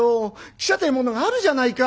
汽車てえものがあるじゃないか。